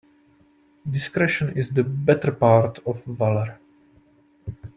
Discretion is the better part of valour.